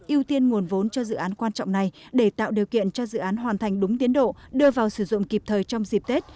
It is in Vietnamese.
ưu tiên nguồn vốn cho dự án quan trọng này để tạo điều kiện cho dự án hoàn thành đúng tiến độ đưa vào sử dụng kịp thời trong dịp tết